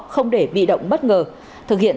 không để bị động bất ngờ thực hiện